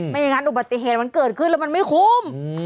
ไม่อย่างนั้นอุบัติเหตุมันเกิดขึ้นแล้วมันไม่คุ้ม